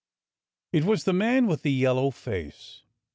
It was the man with the yellow face.